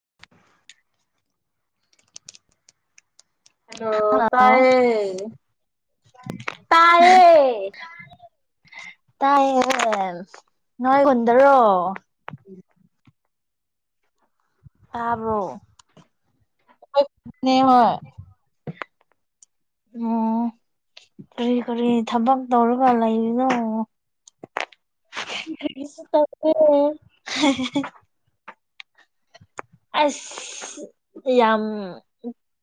[inaudible] Hello hello ꯇꯥꯢꯌꯦ ꯇꯥꯢꯌꯦ ꯇꯥꯏ ꯑꯦ ꯍꯣꯢ ꯅꯣꯏ ꯈꯟꯗꯔꯣ ꯎꯝ ꯇꯥꯕ꯭ꯔꫭ ꯍꯣꯏ ꯑꯣ ꯀꯔꯤ ꯀꯔꯤ ꯊꯕꯛ ꯇꯧꯔꯒ ꯂꯩꯔꯤꯅꯣ ꯀꯔꯤꯁꯨ ꯇꯧꯗꯦ [unintelligible] ꯑꯁ ꯌꯥꯝ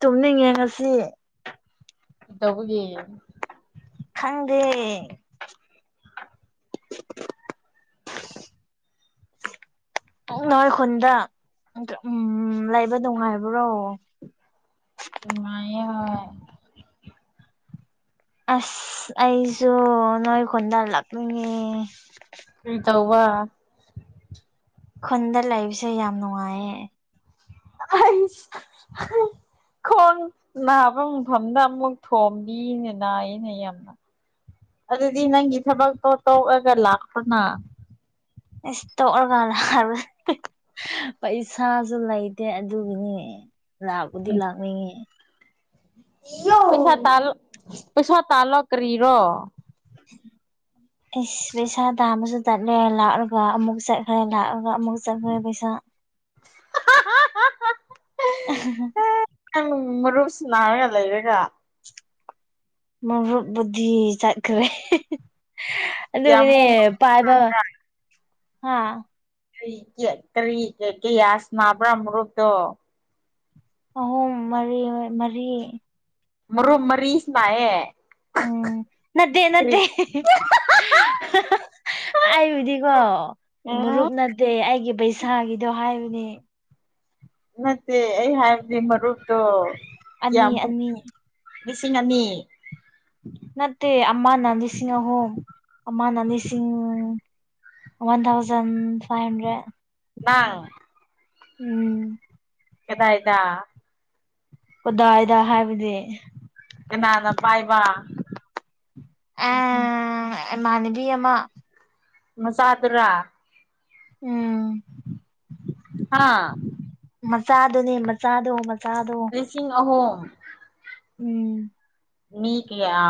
ꯇꯨꯝꯅꯤꯡꯉꯦ ꯉꯁꯤ ꯀꯤꯇꯧꯕꯒꯤ ꯈꯪꯗꯦ [inaudible] ꯅꯣꯏ ꯈꯨꯟꯗ ꯎꯝ ꯂꯩꯕ ꯅꯨꯡꯉꯥꯏꯕ꯭ꯔꯣ ꯅꯨꯡꯉꯥꯏꯌꯦ ꯍꯣꯏ ꯑꯁ ꯑꯩꯁꯨ ꯅꯣꯏ ꯈꯨꯣꯟꯗꯥꯜꯂꯛꯅꯤꯡꯉꯤ ꯀꯔꯤ ꯇꯧꯕ ꯈꯨꯟꯗ ꯂꯩꯕꯁꯦ ꯌꯥꯝ ꯅꯨꯡꯉꯥꯏꯌꯦ [unintelligible] ꯈꯣꯡ ꯅꯥꯕ ꯃꯐꯝꯗ ꯑꯃꯨꯛ ꯊꯣꯝꯕꯤꯅꯤꯅꯦ ꯅꯥꯏꯌꯦꯅꯦꯌꯥꯝꯅ ꯑꯗꯨꯗꯤ ꯅꯪꯒꯤ ꯊꯕꯛꯇꯣ ꯇꯣꯛꯑꯒ ꯂꯥꯛꯄꯅ ꯏꯁ ꯇꯣꯛꯑꯀꯥꯜ ꯍꯥꯏꯕ ꯅꯠꯇꯦ ꯄꯩꯁꯥꯁꯨ ꯂꯩꯇꯦ ꯑꯗꯨꯒꯤꯅꯤ ꯂꯥꯛꯄꯨꯗꯤ ꯂꯥꯛꯅꯤꯡꯉꯦ ꯄꯩꯁꯥ ꯄꯩꯁꯥ ꯇꯥꯂꯣ ꯀ꯭ꯔꯤꯔꯣ ꯏꯁ ꯄꯩꯁꯥ ꯇꯥꯝꯃꯁꯨ ꯆꯠꯂꯦ ꯂꯥꯛꯑꯒ ꯑꯃꯨꯛ ꯆꯠꯈ꯭ꯔꯦ ꯂꯥꯛꯑꯒ ꯑꯃꯨꯛ ꯆꯠꯈ꯭ꯔꯦ ꯄꯩꯁꯥ [unintelligible] ꯅꯪ ꯃꯔꯨꯞ ꯁꯅꯔꯒ ꯂꯩꯔꯒ ꯃꯔꯨꯞ ꯕꯨꯙꯤ ꯆꯠꯈ꯭ꯔꯦ ꯑꯗꯨꯒꯅꯦ ꯌꯥꯝꯃꯨꯛ ꯄꯥꯏꯕ ꯍꯥꯥ ꯀꯔꯤ ꯀꯔꯤ ꯀꯦꯛ ꯀꯦ ꯌꯥꯁ ꯅꯥꯕ꯭ꯔꯥ ꯃꯔ꯭ꯨꯞꯇꯣ ꯑꯍꯨꯝ ꯃꯔꯤ ꯃꯔꯤ ꯃ ꯔꯨꯝ ꯃꯔꯤ ꯅꯥꯏꯌꯦ ꯎꯝ ꯅꯠꯗꯦ ꯅꯠꯗꯦ ꯑꯩꯕꯨꯗꯤꯀꯣ ꯑꯦ ꯃꯔꯨꯞꯅ ꯗꯦ ꯑꯩꯒꯤ ꯄꯩꯁꯥꯒꯤꯗꯣ ꯍꯥꯏꯕꯅꯦ ꯅꯠꯇꯦ ꯑꯩ ꯍꯥꯏꯕꯗꯤ ꯃꯔꯨꯞꯇꯣ ꯑꯅꯤ ꯀꯤꯌꯥꯝ ꯑꯅꯤ ꯂꯤꯁꯤꯡ ꯑꯅꯤ ꯅꯠꯇꯦ ꯑꯃꯅ ꯂꯤꯁꯤꯡ ꯑꯍꯨꯝ ꯑꯃꯥꯅꯥ ꯂꯤꯁꯤꯡ ꯋꯥꯟ ꯊꯥꯎꯖꯟ ꯐꯥꯏꯚ ꯍꯟꯗ꯭ꯔꯦꯠ [inaudible] ꯎꯝ ꯀꯗꯥꯏꯗ ꯀꯗꯥꯏꯗ ꯍꯥꯏꯕꯗꯤ ꯀꯅꯥꯅ ꯄꯥꯏꯕ [inaudible] ꯑꯝ ꯑꯦꯃꯥꯅꯕꯤ ꯑꯃ ꯃꯆꯥꯗꯨꯔꯥ ꯎꯝ ꯍꯥꯥ ꯃꯆꯥꯗꯨꯅꯦ ꯃꯆꯥꯗꯣ ꯃꯆꯥꯗꯣ꯫ ꯂꯤꯁꯤꯡ ꯑꯍꯨꯝ꯫ ꯎꯝ꯫ ꯃꯤ ꯀꯌꯥ꯫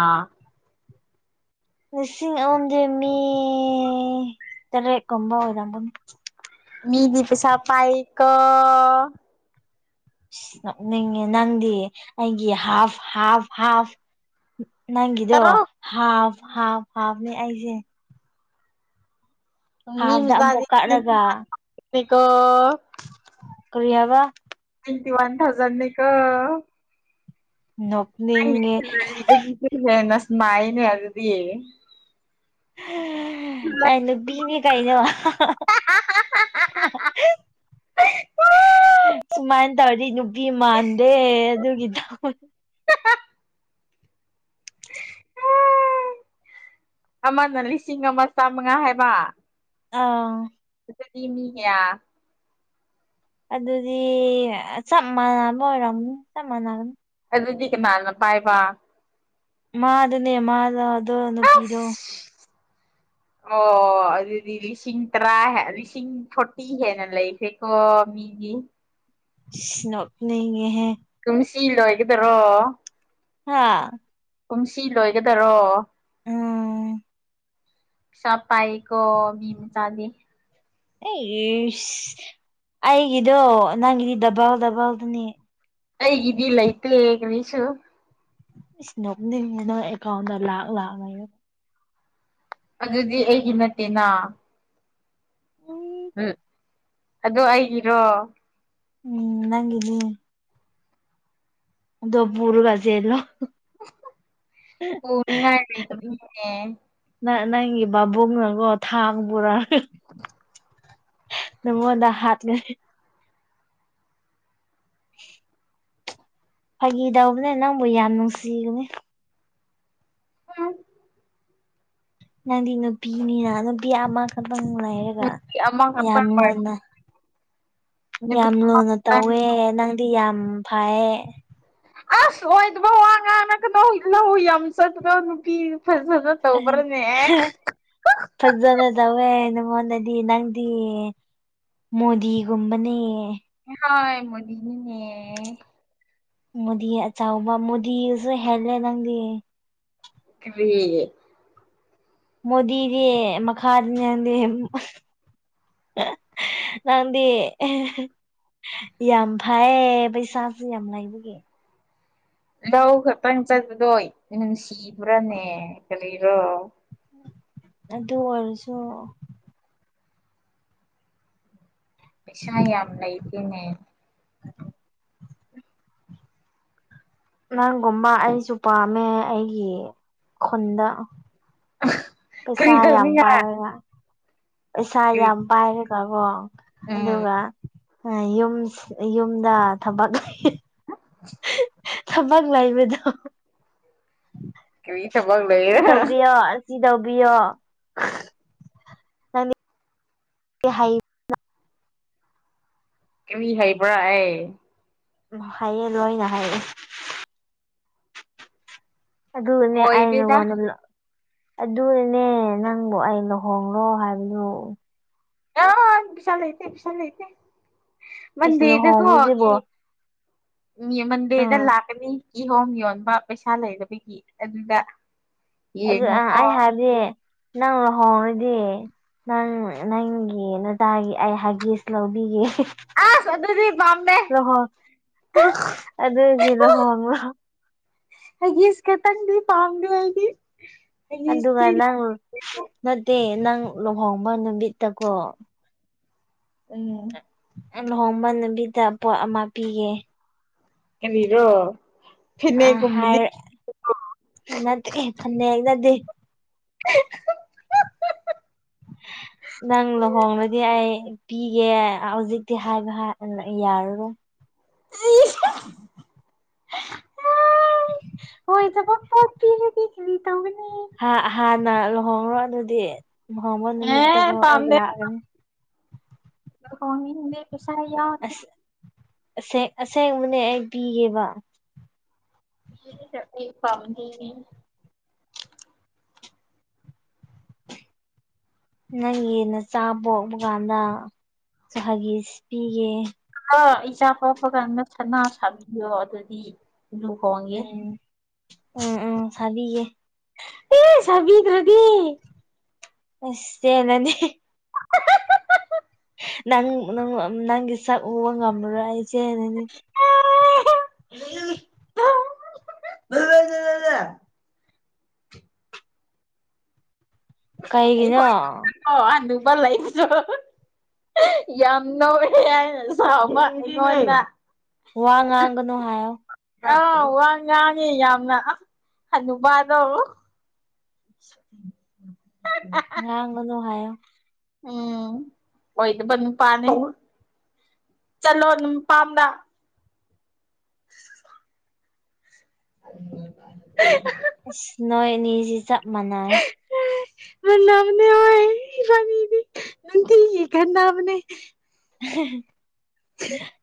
ꯂꯤꯁꯤꯡ ꯑꯍꯨꯝꯗꯤ ꯃꯤ ꯇꯔꯦꯠꯀꯨꯝꯕ ꯑꯣꯏꯔꯕꯅꯤ꯫ ꯃꯤꯗꯤ ꯄꯩꯁꯥ ꯄꯥꯏꯀꯣ꯫ ꯅ‌ꯣꯛꯅꯤꯡꯉꯦ ꯅꯪꯗꯤ ꯑꯩꯒꯤ ꯍꯥꯐ ꯍꯥꯐ ꯍꯥꯐ꯫ ꯅꯪꯒꯤꯗꯣ ꯇꯔꯨꯛ ꯍꯥꯐ ꯍꯥꯐ ꯍꯥꯐꯅ‌ꯦ ꯑꯩꯖꯦ꯫ ꯃꯤ ꯍꯥꯐꯇ ꯃꯆꯥꯗꯤ ꯑꯃꯨꯛ ꯀꯛꯔꯒ [inaudible] ꯀꯣ꯫ ꯀꯔꯤꯑꯕꯥ꯫ ꯇ꯭ꯋꯦꯟꯇꯤ ꯋꯥꯟ ꯊꯥꯎꯖꯟꯅꯦ ꯀꯣ꯫ ꯅꯣꯛꯅꯤ [unintelligible] ꯁ꯭ꯃꯥꯏꯅꯦ ꯑꯗꯨꯗꯤ꯫ ꯍ ꯑꯩ ꯅꯨꯄꯤꯅꯤ ꯀꯩꯅꯣ꯫ ꯁꯨꯃꯥꯏꯅ ꯇꯧꯔꯗꯤ ꯅꯨ ꯗꯤ ꯃꯥꯟꯗꯦ ꯑꯗꯨꯒꯤꯗ ꯑꯃꯅ ꯂꯤꯁꯤꯡ ꯑꯃ ꯆꯥꯃꯉꯥ ꯍꯥꯏꯕ꯫ ꯑꯥ꯫ ꯑꯗꯨꯗꯤ ꯃꯤ ꯀꯌꯥ꯫ ꯑꯗꯨꯗꯤ ꯆꯞ ꯃꯥꯟꯅꯕ ꯑꯣꯏꯔꯝ ꯆꯞ ꯃꯥꯟꯅꯕꯅ‌ꯦ ꯑꯗꯨꯗꯤ ꯀꯅꯥꯅ ꯄꯥꯏꯕ꯫ ꯃꯥꯗꯨꯅꯦ ꯃꯥꯗ‌ꯣ ꯑꯗꯣ ꯅꯨꯄꯤꯗꯣ꯫ ꯑꯁ ꯑꯣ ꯑꯗꯨꯗꯤ ꯂꯤꯁꯤꯡ ꯇꯔꯥ ꯍ‌ꯦ ꯂꯤꯁꯤꯡ ꯐꯣꯔ ꯇꯤ ꯍꯦꯟꯅ ꯂꯩꯈ‍꯭ꯔ‌ꯦꯀ‌ꯣ ꯃꯤꯗꯤ ꯏꯁ ꯅꯣꯛꯅꯤꯉꯦꯍꯦ꯫ ꯀꯨꯝꯁꯤ ꯂꯣꯏꯒꯗꯔꯣ꯫ ꯍꯥꯥ꯫ ꯀꯨꯝꯁꯤ ꯂꯣꯏꯒꯗꯔꯣ꯫ ꯎꯝ ꯄꯤꯁꯥ ꯄꯥꯏꯀꯣ ꯃꯤ ꯃꯆꯥꯗꯤ꯫ ꯑꯩꯁ ꯑꯩꯒꯤꯗꯣ ꯅꯪꯒꯤꯗꯤ ꯗꯕꯜ ꯗꯕꯜꯗꯨꯅꯦ꯫ ꯑꯩꯒꯤꯗꯤ ꯂꯩꯇ‌ꯦ ꯀꯔꯤꯁꯨ꯫ ꯏꯁ ꯅꯣꯛꯅꯤꯡꯉꯦ ꯅꯣꯏ ꯑꯦꯀꯥꯎꯟꯗ ꯂꯥꯛ ꯂꯥꯛ ꯂꯩꯔ꯫ ꯑꯗꯨꯗꯤ ꯑꯩꯒꯤ ꯅꯠꯇꯦꯅꯥ꯫ ꯎꯝ ꯑꯗꯣ ꯑꯩꯒꯤꯔꯣ꯫ ꯎꯝ ꯅꯪꯒꯤꯅꯦ꯫ ꯑꯗꯣ ꯄꯨꯔꯒ ꯆꯦꯜꯂꯣ꯫ ꯄꯨꯅꯤꯉꯥꯏ [unintelligible] ꯅꯪ ꯅꯪꯒꯤ ꯕꯥꯕꯣꯛꯅꯒꯣ ꯊꯥꯡ ꯄꯨꯔꯥ [inaudible] ꯅꯪꯉꯣꯟꯗ ꯍꯥꯠꯀ‌ꯦ [inaudible] ꯐꯥꯒꯤ ꯇꯧꯕꯅꯦ ꯅꯪꯕꯨ ꯌꯥꯝ ꯅꯨꯡꯁꯤꯕꯅ‌ꯦ [unintelligible] ꯅꯪꯗꯤ ꯅꯨꯄꯤꯅꯤꯅ ꯅꯨꯄꯤ ꯑꯃ ꯈꯛꯇꯪ ꯂꯩ꯫ ꯅꯨꯄꯤ ꯑꯃꯈꯛꯇꯪ [unintelligible] ꯅꯨꯄꯤ ꯌꯥꯝ ꯂꯨꯅ ꯑꯃꯈꯛꯇꯪ ꯇꯧꯋꯦ ꯅꯪꯗꯤ ꯌꯥꯝ ꯐꯩꯌꯦ ꯑꯁ ꯑꯣꯏꯗꯕ ꯋꯥ ꯉꯥꯡꯉꯛꯀꯅꯣ ꯂꯧ ꯌꯥꯝ ꯆꯠꯄꯗꯣ ꯅꯨꯄꯤꯗꯨ ꯐꯖꯅ ꯇꯧꯕ꯭ꯔꯅꯦ ꯐꯖꯅ ꯇꯧꯋꯦ ꯅꯉꯣꯟꯗꯗꯤ ꯅꯪꯗꯤ ꯃꯣꯗꯤꯒꯨꯝꯕꯅꯦ ꯍꯣꯏ ꯃꯣꯗꯤꯅꯤꯅꯦ ꯃꯣꯗꯤ ꯑꯆꯥꯎꯕ ꯃꯣꯗꯤꯁꯨ ꯍꯦꯜꯂꯦ ꯅꯪꯗꯤ ꯀꯔꯤ ꯃꯣꯗꯤꯗꯤ ꯃꯈꯥꯗꯅꯤ ꯅꯪꯗꯤ ꯅꯪꯗꯤ ꯌꯥꯝ ꯐꯩꯌꯦ ꯄꯩꯁꯥꯁꯨ ꯌꯥꯝ ꯂꯩꯕꯒꯤ ꯂꯧ ꯈꯛꯇꯪ ꯆꯠꯄꯗꯣ ꯅꯨꯡꯁꯤꯕ꯭ꯔꯥꯅꯦ ꯀꯔꯤꯔꯣ ꯑꯗꯨ ꯑꯣꯏꯔꯁꯨ ꯄꯩꯁꯥ ꯌꯥꯝ ꯂꯩꯇꯦꯅꯦ [inaudible] ꯅꯪꯒꯨꯝꯕ ꯑꯩꯁꯨ ꯄꯥꯝꯃꯦ ꯑꯩꯒꯤ ꯈꯨꯟꯗ ꯄꯩꯁꯥ ꯀꯔꯤ ꯌꯥꯝ ꯇꯧꯅꯤꯡꯉꯥꯏ ꯄꯥꯏꯔꯒ ꯄꯩꯁꯥ ꯀꯔꯤ ꯌꯥꯝ ꯄꯥꯏꯔꯒ ꯀꯣ ꯎꯝ ꯑꯗꯨꯒ ꯌꯨꯝ ꯌꯨꯝꯗ ꯊꯕꯛ [unintelligible] ꯊꯕꯛ ꯂꯩꯕꯗꯣ ꯀꯔꯤ ꯊꯕꯛ ꯁꯤ ꯂꯩꯔ ꯇꯧꯕꯤꯌꯣ ꯑꯁꯤ ꯇꯧꯕꯤꯌꯣ [unintelligible] ꯀꯔꯤ ꯍꯩꯕ꯭ꯔꯥ ꯑꯩ ꯍꯩꯌꯦ ꯂꯣꯏꯅ ꯍꯩꯌꯦ ꯑꯗꯨꯒꯅꯦ ꯑꯩꯅ ꯑꯣꯏꯗꯦꯗ [unintelligible] ꯑꯗꯨꯅꯅꯦ ꯅꯪꯕꯨ ꯑꯩ ꯂꯨꯍꯣꯡꯂꯣ ꯍꯥꯏꯕꯗꯨ ꯑ ꯄꯩꯁꯥ ꯂꯩꯇꯦ ꯄꯩꯁ ꯂꯩꯇꯦ ꯑꯩꯁ ꯃꯟꯗꯦꯗꯀꯣ ꯂꯨꯍꯣꯡꯕꯁꯤꯕꯣ ꯃꯤ ꯃꯟꯗꯦꯗ ꯎꯝ ꯂꯥꯛꯀꯅꯤ ꯀꯤꯍꯣꯝ ꯌꯣꯟꯕ ꯄꯩꯁꯥ ꯂꯩꯇꯕꯒꯤ ꯑꯗꯨꯗ ꯑꯗꯨ ꯌꯦꯡꯉꯣꯀꯣ ꯑꯩ ꯍꯥꯏꯗꯤ ꯅꯪ ꯂꯨꯍꯣꯡꯔꯗꯤ ꯅꯪ ꯅꯪꯒꯤ ꯅꯆꯥꯒꯤ ꯑꯩ ꯍꯒꯤꯁ ꯂꯧꯕꯤꯒꯦ ꯑꯁ ꯑꯗꯨꯗꯤ ꯄꯥꯝꯗꯦ ꯂꯨꯍꯣꯡ ꯑꯗꯨꯒꯤ ꯂꯨꯍꯣꯡꯂꯣ ꯍꯒꯤꯁ ꯈꯛꯇꯪꯗꯤ ꯄꯥꯝꯗꯦ ꯑꯩꯗꯤ ꯑꯗꯨꯒ ꯍꯒꯤꯁꯇꯤ ꯅꯪ ꯅꯠꯇꯦ ꯅꯪ ꯂꯨꯍꯣꯡꯕ ꯅꯨꯃꯤꯠꯇꯀꯣ ꯎꯝ ꯂꯨꯍꯣꯡꯕ ꯅꯨꯃꯤꯠꯗ ꯄꯣꯠ ꯑꯃ ꯄꯤꯒꯦ ꯀꯔꯤꯔꯣ ꯑ ꯐꯤꯅꯦꯠ ꯀꯨꯝꯕꯗꯤ ꯍꯥꯏꯔ ꯅꯠꯇꯦ ꯑꯦ ꯐꯅꯦꯛ ꯅꯠꯇꯦ [unintelligible] ꯅꯪ ꯂꯨꯍꯣꯡꯂꯗꯤ ꯑꯩ ꯄꯤꯒꯦ ꯍꯧꯖꯤꯛꯇꯤ ꯍꯥꯏꯕ ꯍꯥꯏ ꯌꯥꯔꯔꯣꯏ [inaudible] ꯍꯣꯏ ꯊꯕꯛ ꯄꯣꯛ ꯄꯤꯔꯗꯤ [unintelligible] ꯑ ꯍꯥꯟꯅ ꯂꯨꯍꯣꯡꯔꯣ ꯑꯗꯨꯗꯤ ꯂꯨꯍꯣꯡꯕ ꯑꯦ ꯅꯨꯃꯤꯠꯇꯀꯣ ꯑꯩ ꯄꯥꯝꯗꯦ ꯂꯥꯛꯑꯒꯅꯤ ꯂꯨꯍꯣꯡꯅꯤꯡꯗꯦ ꯄꯩꯁꯥ [unintelligible] ꯑꯁ ꯑꯁꯦꯡ ꯑꯁꯦꯡꯕꯅꯦ ꯑꯩ ꯄꯤꯒꯦꯕ [unintelligible] ꯅꯪꯒꯤ ꯅꯆꯥꯥ ꯕ‌ꯣꯛꯄ ꯀꯥꯟꯗ ꯁꯨꯍꯒꯤꯁ ꯄꯤꯒꯦ ꯑ ꯏꯆꯥ ꯄꯣꯛꯄꯀꯥꯟꯗ ꯁꯅꯥ ꯁꯥꯕꯤꯌꯣ ꯑꯗꯨꯗꯤ ꯂꯨ ꯍ‌ꯣꯡꯌ‌ꯦ ꯎꯝ ꯎꯝ ꯎꯝ ꯁꯥꯕꯤꯒꯦ ꯏꯁ ꯁꯕꯤꯗ꯭ꯔꯗꯤ꯫ ꯑꯁ ꯆꯦꯂꯅꯤ꯫ ꯅꯪ ꯅꯪ ꯅꯪꯒꯤ ꯁꯛ ꯎꯕꯥ ꯉꯃ꯭ꯔꯣꯏ ꯑꯩ ꯆꯦꯂꯅꯤ꯫ ꯑꯩ ꯀꯩꯒꯤꯅꯣ ꯈꯋꯥꯏ ꯅ‌ꯣꯛꯅꯤꯡꯕ ꯋꯥ ꯑꯝꯅ‌ꯦꯕ ꯂꯩꯖꯤꯖꯨ ꯌꯥꯝ ꯅꯣꯛꯑꯦ ꯍꯥꯏꯅ ꯁꯥꯎꯕ ꯑꯩꯉꯣꯟꯗ꯫ ꯋꯥ ꯉꯥꯡꯒꯅꯣ ꯍꯥꯏꯌꯣ꯫ ꯑꯥꯎ ꯋꯥ ꯉꯥꯡꯉꯤ ꯌꯥꯝꯅ ꯍꯅꯨꯕꯗꯣ꯫ [inaudible] ꯉꯥꯡꯒꯅ‌ꯣ ꯍꯥꯏꯌꯣ꯫ ꯎꯝ ꯑꯣꯏꯗꯕ ꯅꯨꯄꯥꯥꯅꯦ ꯆꯠꯂꯣ ꯅꯨꯄꯥꯝꯗ꯫ [inaudible] [unintelligible] ꯑꯁ ꯅꯣꯏ ꯑꯅꯤꯖꯤ ꯆꯞ ꯃꯥꯟꯅꯌꯦ꯫ ꯃꯅꯕꯅ‌ꯦ ꯍ‌ꯣꯏ ꯏꯕꯥꯅꯤꯗꯤ ꯅꯨꯇꯤꯒꯤ ꯈꯅꯕꯅꯦ꯫ [unintelligible]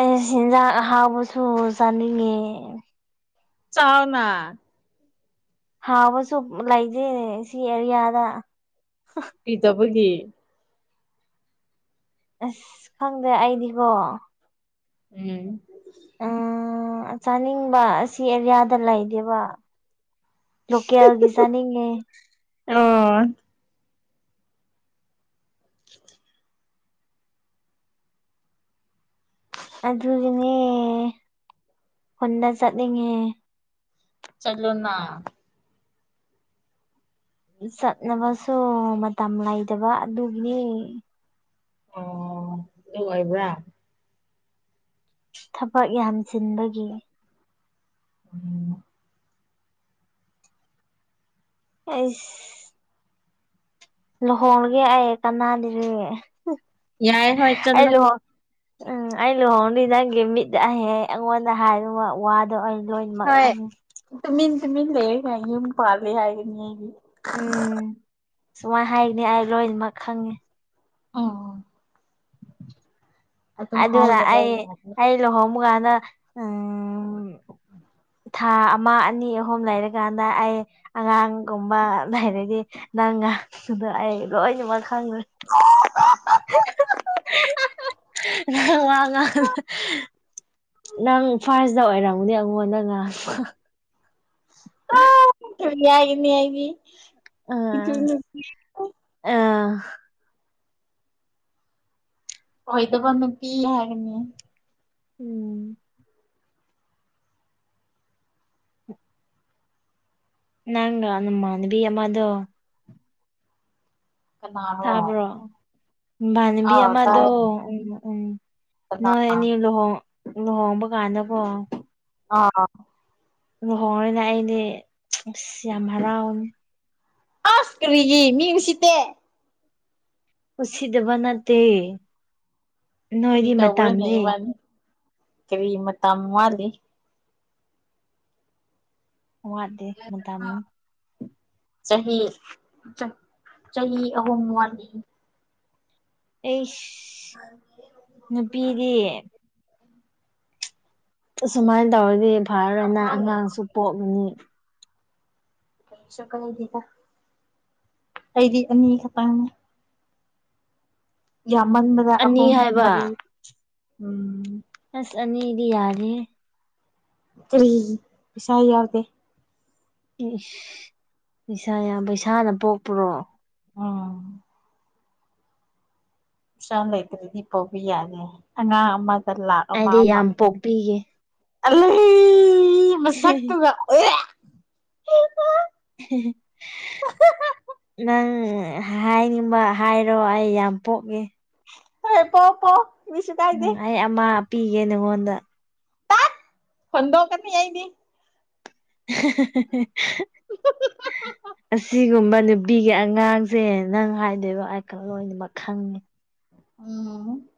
ꯑꯁ ꯍꯤꯟꯖꯥꯡ ꯑꯍꯥꯎꯕ ꯁꯨ ꯆꯥꯅꯤꯡꯉꯦ꯫ ꯆꯥꯎꯅꯥ꯫ ꯍꯥꯎꯕꯁꯨ ꯂꯩꯗ‌ꯦꯅꯦ ꯁꯤ ꯑꯦꯔꯤꯌꯥꯗ꯫ ꯀꯤꯗꯕꯒꯤ ꯑꯁ ꯈꯪꯗꯦ ꯑꯩꯗꯤꯀꯣ꯫ ꯎꯝ꯫ ꯎꯝ_ ꯆꯥꯅꯤꯡꯕ ꯑꯁꯤ ꯑꯦꯔꯤꯌꯥꯗ ꯂꯩꯗꯦꯕ꯫ ꯂꯣꯀꯦꯜꯒꯤ ꯆꯥꯅꯤꯉꯦ꯫ [unintelligible] [inaudible] ꯑꯗꯨꯒꯤꯅꯦ ꯈꯨꯟꯗ ꯆꯠꯅꯤꯡꯉꯦ꯫ ꯆꯠꯂꯣꯅ꯫ ꯆꯠꯅꯕꯁꯨ ꯃꯇꯝ ꯂꯩꯇꯕ ꯑꯗꯨꯒꯤꯅ‌ꯦ꯫ ꯑꯣ ꯑꯗꯨ ꯑꯣꯏꯕ꯭ꯔꯥ꯫ ꯊꯕꯛ ꯌꯥꯝ ꯆꯤꯟꯕꯒꯤ꯫ [inaudible] ꯑꯩꯁ_ _ ꯂꯨꯍꯣꯡꯉꯒꯦ ꯑꯩ ꯀꯅꯥꯂꯤꯔꯤ ꯌꯥꯏ ꯍꯣꯏ ꯑꯩ ꯆꯠꯂꯣ ꯂꯨꯍꯣꯡ ꯎꯝ ꯑꯩ ꯂꯨꯍꯣꯡꯅꯤ ꯅꯪꯒꯤ ꯃꯤꯠ ꯑꯍꯦ ꯑꯩꯉꯣꯟꯗ ꯍꯥꯏꯔꯨ ꯋꯥ ꯋꯥꯗꯣ ꯑꯩ ꯫ ꯂꯣꯏꯃꯛ ꯍꯣꯏ ꯈꯪꯉꯤ꯫ ꯇꯨꯃꯤꯟ ꯇꯨꯃꯤꯟ ꯂꯩꯔꯀꯥꯟ ꯌꯨꯝ ꯄꯥꯜꯂꯦ ꯍꯥꯏꯒꯅꯤ ꯑꯩꯗꯤ꯫ ꯎꯝ ꯁꯨꯃꯥꯏ ꯍꯥꯏꯒꯅꯤ ꯑꯩ ꯂꯣꯏꯅꯃꯛ ꯈꯪꯉꯦ꯫ ꯑ‌ꯣ ꯑꯗꯨꯅ ꯍꯥꯏꯗꯕ ꯑꯩ ꯌꯥꯗꯦ ꯑꯩ ꯂꯨꯍꯣꯡꯕ ꯀꯥꯟꯗ ꯎꯝ_ _ [inaudible] ꯊꯥ ꯑꯃꯥ ꯑꯅꯤ ꯑꯍꯨꯝ ꯂꯩꯔꯀꯥꯟꯗ ꯑꯩ_ _ ꯑꯉꯥꯡꯒꯨꯝꯕ ꯂꯩꯔꯗꯤ ꯅꯪ ꯉꯥꯡꯕꯗꯣ ꯑꯩ ꯂꯣꯏꯅꯃꯛ_ _ [unintelligible] ꯅꯪ ꯋꯥ ꯉꯥꯡ_ _ ꯅꯪ ꯐꯥꯁꯗ ꯑꯣꯏꯔꯝꯒꯅꯤ ꯑꯩꯉꯣꯟꯗ ꯉꯥꯡ꯫ [unintelligible] ꯏꯆꯟꯅꯨꯄꯤ ꯑꯥ_ _ ꯑꯣꯏꯗꯕ ꯅꯨꯄꯤ ꯍꯥꯏꯒꯅꯤ꯫ ꯎꯝ꯫ ꯅꯪꯅ ꯅꯃꯥꯟꯅꯕꯤ ꯑꯃꯗꯣ_ _ ꯀꯅꯥꯔꯣ ꯇꯥꯕ꯭ꯔꯣ ꯕꯥꯟꯅꯕꯤ ꯑꯥ ꯑꯃꯥꯗꯣ ꯇꯥꯏ ꯎꯝ ꯎꯝ ꯀꯅꯥ ꯅꯣꯏ ꯑꯅꯤ ꯂꯨꯍꯣ ꯂꯨ ꯍꯣꯡꯕ ꯀꯥꯟꯗꯀꯣ ꯑꯥ ꯂꯨꯍꯣꯡꯉꯅꯤ ꯑꯩꯗꯤ ꯑꯁ ꯌꯥꯝ ꯍꯔꯥꯎꯅꯤ ꯑꯁ ꯀꯔꯤꯒꯤ ꯃꯤ ꯎꯁꯤꯠꯇꯦ ꯎꯠꯁꯤꯗꯕ ꯅꯠꯇꯦ ꯀꯔꯤ ꯅꯣꯏꯗꯤ ꯇꯧꯕ꯭ꯔꯅꯦ ꯃꯇꯝꯅꯦ ꯏꯕꯥꯅꯤ ꯀꯔꯤ ꯃꯇꯝ ꯋꯥꯠꯂꯤ ꯋꯥꯗꯦ ꯃꯇꯝꯅꯤ ꯆꯍꯤ ꯆꯥ ꯆꯍꯤ ꯑꯍꯨꯝ ꯋꯥꯠꯂꯤ ꯑꯩꯁ ꯅꯨꯄꯤꯗꯤ ꯑꯁꯨꯃꯥꯏꯅ ꯇꯧꯔꯗꯤ ꯐꯔꯔꯣꯏꯅ ꯑꯉꯥꯡꯁꯨ ꯄꯣꯛꯅꯤ ꯀꯩꯁꯨ ꯀꯥꯏꯗꯦꯗ ꯑꯩꯗꯤ ꯑꯅꯤ ꯈꯛꯇꯪꯅꯦ ꯌꯥꯝꯃꯟꯕꯗ ꯑꯅꯤ ꯑꯍꯨꯝ ꯍꯥꯏꯕ ꯃꯔꯤ ꯎꯝ ꯑꯁ ꯑꯅꯤꯗꯤ ꯌꯥꯗꯦꯍꯦ ꯀꯔꯤꯒꯤ ꯄꯩꯁꯥ ꯌꯥꯎꯗꯦ ꯏꯁ ꯄꯩꯁꯥ ꯌꯥꯝ ꯄꯩꯁꯥꯅ ꯄꯣꯛꯄ꯭ꯔꯣ ꯎꯝ ꯄꯁꯥ ꯂꯩꯇ꯭ꯔꯗꯤ ꯄꯣꯛꯄ ꯌꯥꯗꯦ ꯑꯉꯥꯡ ꯑꯃꯗ ꯂꯥꯛ ꯑꯃ ꯑꯩꯗꯤ ꯑꯃ ꯌꯥꯝ ꯄꯣꯛꯄꯤꯒꯦ ꯑꯂꯤ ꯃꯁꯛ ꯇꯨꯒ [unintelligible] ꯅꯪ ꯍꯥꯏꯅꯤꯡꯕ ꯍꯥꯏꯔꯣ ꯑꯩ ꯌꯥꯝ ꯄꯣꯛꯅꯤ ꯍꯩ ꯄꯣ ꯄꯣ ꯀꯔꯤꯁꯨ ꯀꯥꯏꯗꯦ ꯎꯝ ꯑꯩ ꯑꯃ ꯄꯤꯒꯦ ꯅꯉꯣꯟꯗ ꯇꯠ ꯍꯣꯟꯗꯣꯛ ꯀꯅꯤ ꯑꯩꯗꯤ [unintelligible] ꯑꯁꯤꯒꯨꯝꯕ ꯅꯨꯄꯤꯒꯤ ꯑꯉꯥꯡꯁꯦ ꯅꯪ ꯍꯥꯏꯗꯣꯏꯕ ꯑꯩ__ ꯀ ꯂꯣꯏꯅꯃꯛ ꯈꯪꯉꯤ ꯎꯝ